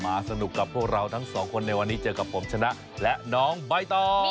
สนุกกับพวกเราทั้งสองคนในวันนี้เจอกับผมชนะและน้องใบตอง